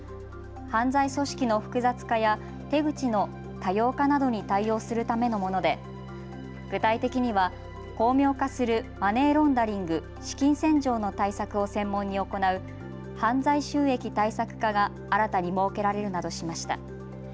犯罪組織の複雑化や手口の多様化などに対応するためのもので具体的には巧妙化するマネーロンダリング・資金洗浄の対策を専門に行う犯罪収益対策課が新たに設けられるなどしました。